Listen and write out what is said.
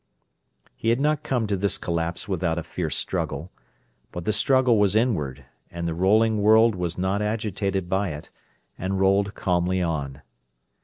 He had not come to this collapse without a fierce struggle—but the struggle was inward, and the rolling world was not agitated by it, and rolled calmly on.